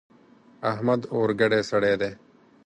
احمد اورګډی سړی دی.